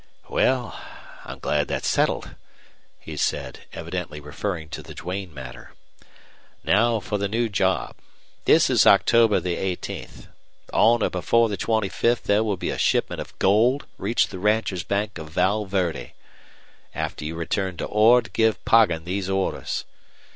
"Well, I'm glad that's settled," he said, evidently referring to the Duane matter. "Now for the new job. This is October the eighteenth. On or before the twenty fifth there will be a shipment of gold reach the Rancher's Bank of Val Verde. After you return to Ord give Poggin these orders.